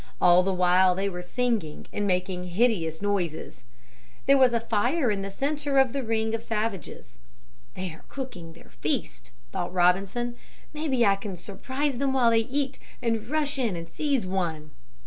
All the while they were singing and making hideous noises. There was a fire in the center of the ring of savages. "They are cooking their feast," thought Robinson. "Maybe I can surprise them while they eat and rush in and seize one."